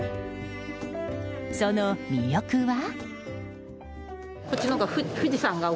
その魅力は。